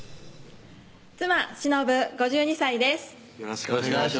妻・忍５２歳です